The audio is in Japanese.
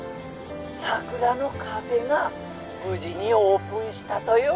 さくらのカフェが無事にオープンしたとよ。